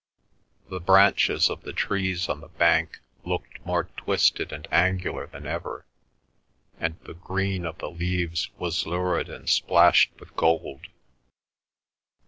The branches of the trees on the bank looked more twisted and angular than ever, and the green of the leaves was lurid and splashed with gold.